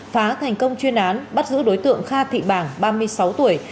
phá thành công chuyên án bắt giữ đối tượng kha thị bàng ba mươi sáu tuổi